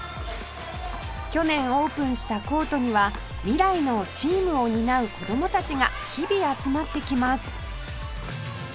去年オープンしたコートには未来のチームを担う子供たちが日々集まってきます